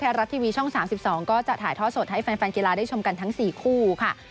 รัฐทีวีช่อง๓๒ก็จะถ่ายทอดสดให้แฟนกีฬาได้ชมกันทั้ง๔คู่ค่ะ